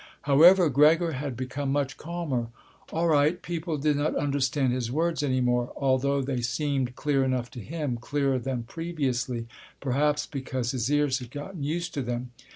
However, Gregor had become much calmer. All right, people did not understand his words any more, although they seemed clear enough to him, clearer than previously, perhaps because his ears had gotten used to them.